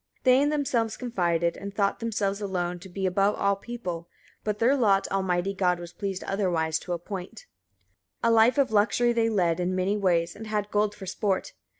17. They in themselves confided, and thought themselves alone to be above all people; but their lot Almighty God was pleased otherwise to appoint. 18. A life of luxury they led, in many ways, and had gold for sport.